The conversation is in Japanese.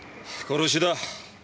殺しだ。